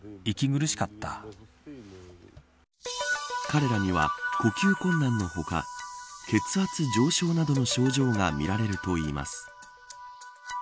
彼らには呼吸困難の他血圧上昇などの症状が見られるといいます。